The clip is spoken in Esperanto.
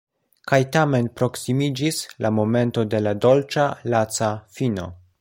Kaj tamen proksimiĝis la momento de la dolĉa laca fino.